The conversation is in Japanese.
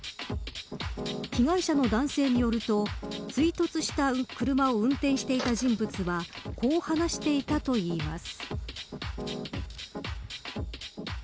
被害者の男性によると追突した車を運転していた人物はこう話していたといいます。